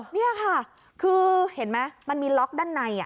นี่ค่ะคือเห็นไหมมันมีล็อกด้านใน